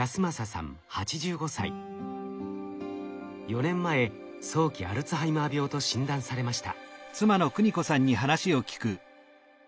４年前早期アルツハイマー病と診断されました。